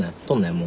もう。